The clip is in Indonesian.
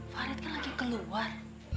farid kan lagi keluar